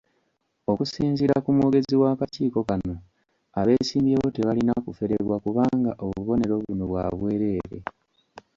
Okusinziira ku mwogezi w'akakiiko kano, abeesimbyewo tebalina kuferebwa kubanga obubonero buno bwa bwereere.